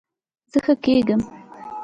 زه ښه کیږم